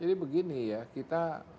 jadi begini ya kita